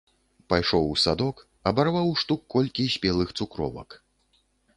Пайшоў у садок, абарваў штук колькі спелых цукровак.